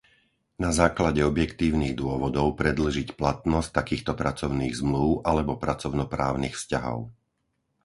na základe objektívnych dôvodov predĺžiť platnosť takýchto pracovných zmlúv alebo pracovnoprávnych vzťahov,